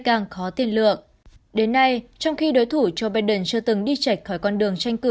còn khó tiên lược đến nay trong khi đối thủ joe biden chưa từng đi chạy khỏi con đường tranh cử